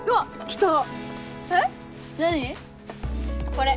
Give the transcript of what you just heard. これ。